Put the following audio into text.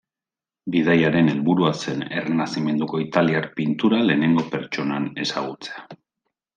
Bidaiaren helburua zen errenazimentuko italiar pintura lehenengo pertsonan ezagutzea.